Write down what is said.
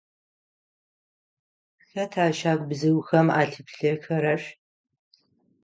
Хэта щагубзыухэм алъыплъэхэрэр?